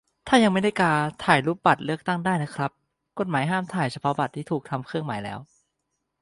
ถ้ายังไม่ได้กา ถ่ายรูปบัตรเลือกตั้งได้นะครับ กฎหมายห้ามถ่ายเฉพาะบัตรที่ถูกทำเครื่องหมายแล้ว